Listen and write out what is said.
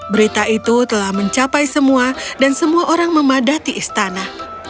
berita itu telah mencapai semua dan semua orang memadati istana